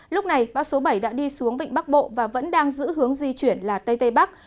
lúc này bão số bảy đã đi xuống vịnh bắc bộ và vẫn đang giữ hướng di chuyển là tây tây bắc